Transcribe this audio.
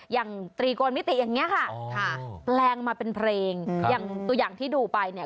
อย่างตรีโกนมิติอย่างนี้ค่ะแปลงมาเป็นเพลงอย่างตัวอย่างที่ดูไปเนี่ย